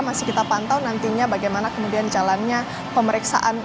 masih kita pantau nantinya bagaimana kemudian jalannya pemeriksaan